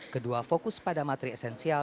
kedua fokus pada materi esensial